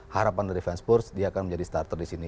harapan dari fanspurs dia akan menjadi starter di sini